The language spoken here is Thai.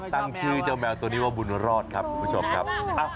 ตั้งชื่อเจ้าแมวตัวนี้ว่าบุญรอดครับคุณผู้ชมครับ